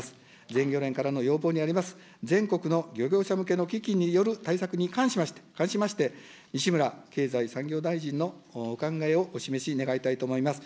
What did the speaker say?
全漁連からの要望にあります、全国の漁業者向けの基金による対策に関しまして、西村経済産業大臣のお考えをお示し願いたいと思います。